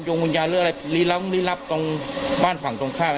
ยงวิญญาณหรืออะไรริรับตรงบ้านฝั่งตรงข้าง